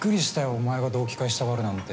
お前が同期会したがるなんて。